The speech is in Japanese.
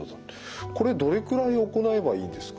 これどれくらい行えばいいんですか？